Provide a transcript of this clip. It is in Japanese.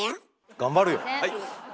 頑張るよ。